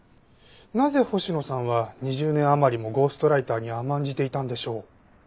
なぜ星野さんは２０年余りもゴーストライターに甘んじていたんでしょう？